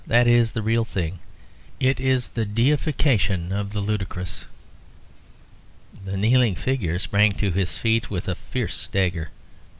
That is the real thing. It is the deification of the ludicrous." The kneeling figure sprang to his feet with a fierce stagger.